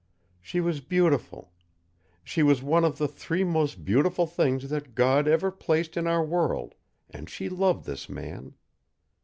She was beautiful. She was one of the three most beautiful things that God ever placed in our world, and she loved this man.